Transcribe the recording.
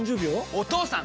お義父さん！